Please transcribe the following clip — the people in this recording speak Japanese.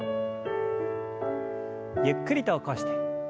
ゆっくりと起こして。